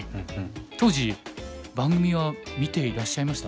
当時番組は見ていらっしゃいました？